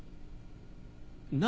何？